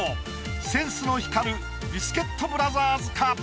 センスの光るビスケットブラザーズか？